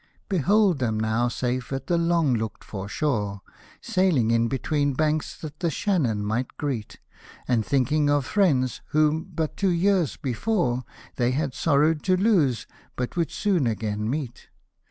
Behold them now safe at the long looked for shore, Sailing in between banks that the Shannon might greet. And thinking of friends whom, but two years before, They had sorrowed to lose, but would soon again meet.